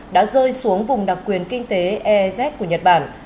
đã rơi xuống vùng đặc quyền kinh tế ez của nhật bản